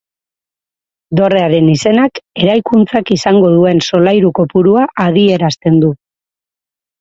Dorrearen izenak, eraikuntzak izango duen solairu kopurua adierazten du.